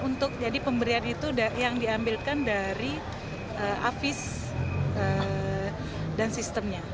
untuk jadi pemberian itu yang diambilkan dari afis dan sistemnya